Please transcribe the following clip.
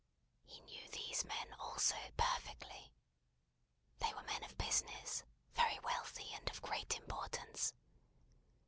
He knew these men, also, perfectly. They were men of business: very wealthy, and of great importance.